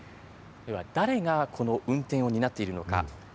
では、誰がこの運転を担っているのか。